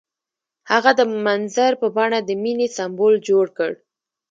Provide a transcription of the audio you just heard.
هغه د منظر په بڼه د مینې سمبول جوړ کړ.